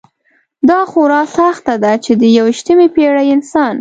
دا خورا سخته ده چې د یویشتمې پېړۍ انسان.